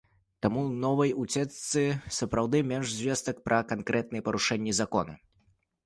Таму ў новай уцечцы сапраўды менш звестак пра канкрэтныя парушэнні закона.